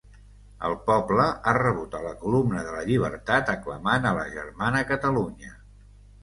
El poble ha rebut a la columna de la llibertat aclamant a la germana Catalunya.